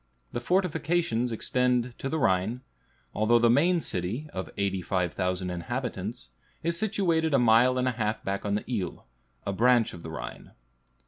The fortifications extend to the Rhine, although the main city, of 85,000 inhabitants, is situated a mile and a half back on the Ill, a branch of the Rhine.